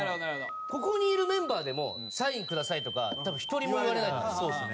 ここにいるメンバーでも「サインください」とか多分１人も言われないと思います。